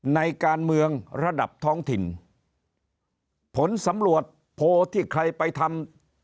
ในการเมืองระดับท้องถิ่นผลสำรวจโพลที่ใครไปทำ